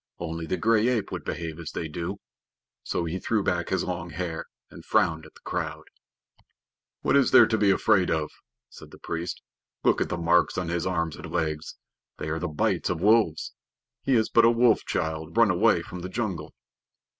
"Only the gray ape would behave as they do." So he threw back his long hair and frowned at the crowd. "What is there to be afraid of?" said the priest. "Look at the marks on his arms and legs. They are the bites of wolves. He is but a wolf child run away from the jungle."